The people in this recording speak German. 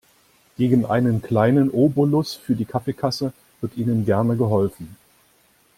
Gegen einen kleinen Obolus für die Kaffeekasse wird Ihnen gerne geholfen.